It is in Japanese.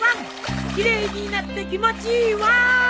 奇麗になって気持ちいいワン！